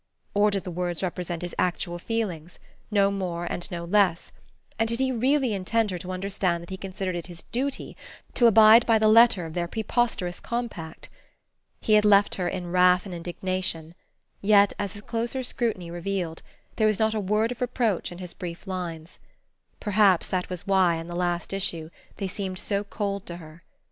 Or did the words represent his actual feelings, no more and no less, and did he really intend her to understand that he considered it his duty to abide by the letter of their preposterous compact? He had left her in wrath and indignation, yet, as a closer scrutiny revealed, there was not a word of reproach in his brief lines. Perhaps that was why, in the last issue, they seemed so cold to her....